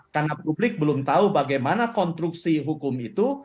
karena publik belum tahu bagaimana kontruksi hukum itu